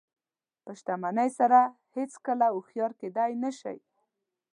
په شتمنۍ سره هېڅکله هوښیار کېدلی نه شئ.